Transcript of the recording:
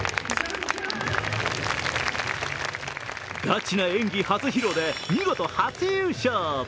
ガチな演技初披露で見事初優勝。